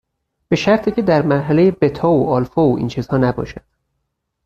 به شرطی که در مرحله بتا و آلفا و این چیزها نباشد.